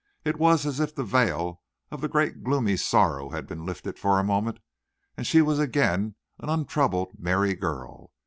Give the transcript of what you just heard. It was as if the veil of the great, gloomy sorrow had been lifted for a moment, and she was again an untroubled, merry girl.